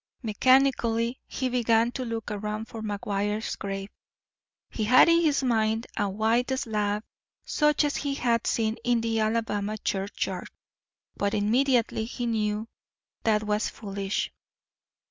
Mechanically he began to look around for McGuire's grave. He had in his mind a white slab such as he had seen in the Alabama church yard. But immediately he knew that was foolish.